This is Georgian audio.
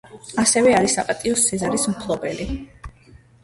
ასევე არის საპატიო სეზარის მფლობელი.